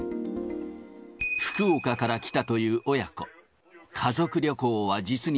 福岡から来たという親子。